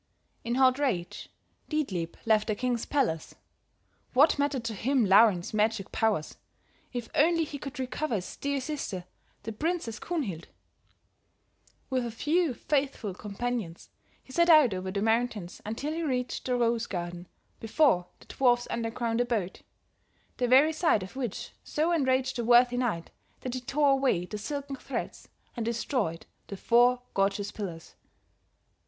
"In hot rage Dietlieb left the king's palace; what mattered to him Laurin's magic powers, if only he could recover his dear sister, the Princess Kunhild? "With a few faithful companions he set out over the mountains until he reached the Rose garden before the dwarf's underground abode, the very sight of which so enraged the worthy knight that he tore away the silken threads and destroyed the four gorgeous pillars.